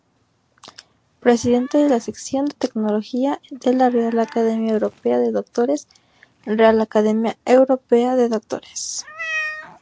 Presidente de la Sección de Tecnología de la Real Academia Europea de Doctores Real_Academia_Europea_de_Doctores.